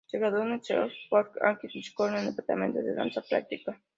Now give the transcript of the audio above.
Se graduó del "Seoul Performing Arts High School" en el departamento de danza práctica.